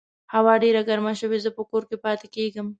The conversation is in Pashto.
هوا ډېره ګرمه شوې، زه په کور کې پاتې کیږم